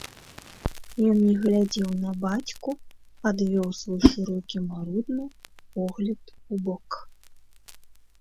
Ён не глядзеў на бацьку, адвёў свой шырокі марудны погляд убок.